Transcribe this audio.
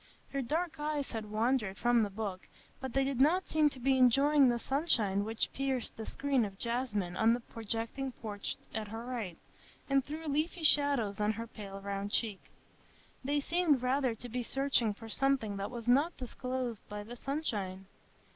Her dark eyes had wandered from the book, but they did not seem to be enjoying the sunshine which pierced the screen of jasmine on the projecting porch at her right, and threw leafy shadows on her pale round cheek; they seemed rather to be searching for something that was not disclosed by the sunshine.